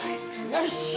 よし。